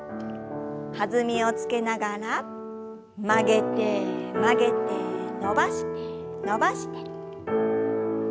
弾みをつけながら曲げて曲げて伸ばして伸ばして。